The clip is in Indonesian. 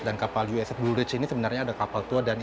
dan kapal uss blue ridge ini sebenarnya ada kapal tua